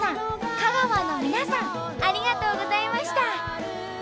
香川の皆さんありがとうございました！